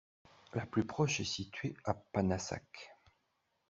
La plus proche est située à Panassac.